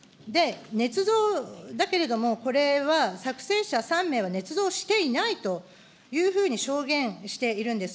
ねつ造だけれども、これは作成者３名はねつ造していないというふうに証言しているんです。